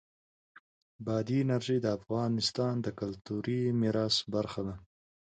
بادي انرژي د افغانستان د کلتوري میراث برخه ده.